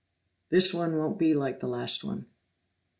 "This one won't be like the last one!"